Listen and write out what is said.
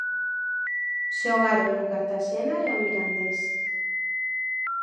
Xogaron o Cartaxena e o Mirandés.